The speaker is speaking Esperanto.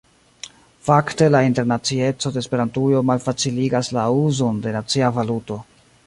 Fakte la internacieco de Esperantujo malfaciligas la uzon de nacia valuto.